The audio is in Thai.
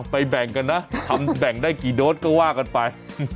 แบ่งกันนะทำแบ่งได้กี่โดสก็ว่ากันไป